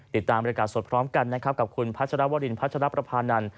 ติดตามบริการสดพร้อมกันนะครับกับคุณพัชรวรินพัชรประพานันท